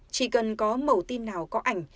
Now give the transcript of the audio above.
chỉ cần có mầu tin nào có ảnh